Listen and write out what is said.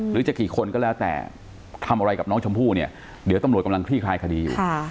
หรือจะกี่คนก็แล้วแต่ทำอะไรกับน้องชมพู่เนี่ยเดี๋ยวตำรวจกำลังคลี่คลายคดีอยู่